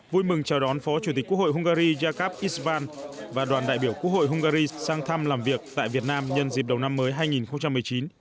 vui mừng chào đón phó chủ tịch quốc hội hungary jakarp isvan và đoàn đại biểu quốc hội hungary sang thăm làm việc tại việt nam nhân dịp đầu năm mới hai nghìn một mươi chín